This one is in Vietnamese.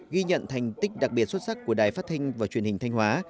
ghi nhận thành tích đặc biệt xuất sắc của đài phát thanh và truyền hình thanh hóa